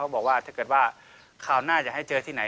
บอกว่าถ้าเกิดว่าคราวหน้าจะให้เจอที่ไหน